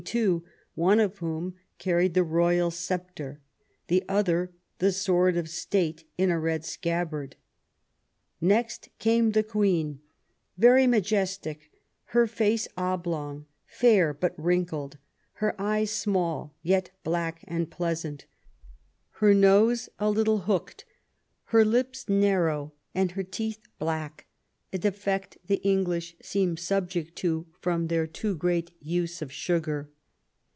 two, one of whom carried the royal sceptre, the other the sword of State in a red scabbard. Next came the Queen, very majestic; her face oblong, fair but wrinkled ; her eyes small, yet black and pleasant ; her nose a little hooked, her lips narrow, and her teeth black (a defect the English seem subject to from their too great use of 282 QUEEN ELIZABETH. sugar).